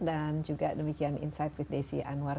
dan juga demikian insight with desi anwar